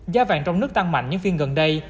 giá vàng trong nước tăng mạnh những phiên gần đây